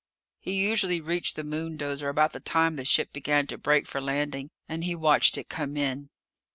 He usually reached the moondozer about the time the ship began to brake for landing, and he watched it come in.